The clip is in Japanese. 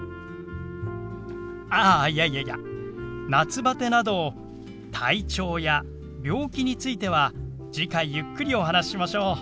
あいやいやいや「夏バテ」など体調や病気については次回ゆっくりお話ししましょう。